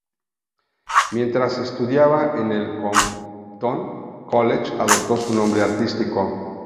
Mientras estudiaba en el Compton College adoptó su nombre artístico.